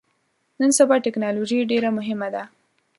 نن سبا ټکنالوژي ډیره مهمه ده